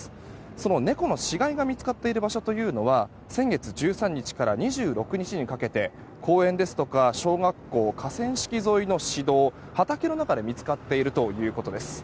その猫の死骸が見つかっている場所というのは先月１３日から２６日にかけて公園ですとか小学校、河川敷沿いの市道畑の中で見つかっているということです。